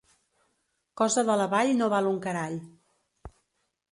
Cosa de la Vall no val un carall.